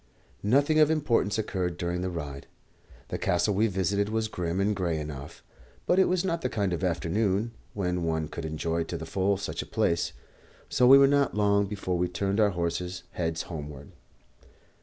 Nothing of importance occurred during the ride. The castle we visited was grim and grey enough; but it was not the kind of afternoon when one could enjoy to the full such a place, so we were not long before we turned our horses' heads homeward.